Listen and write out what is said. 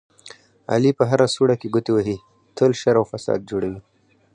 علي په هره سوړه کې ګوتې وهي، تل شر او فساد جوړوي.